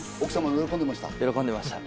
喜んでました。